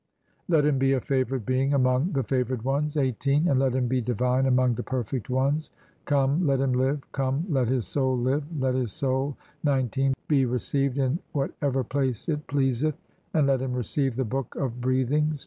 Let him be a favoured being among "the favoured ones, (18) and let him be divine among "the perfect ones. Come, let him live, come, let his "soul live. Let his soul (19) be received in whatever "place it pleaseth, and let him receive the Book of "Breathings.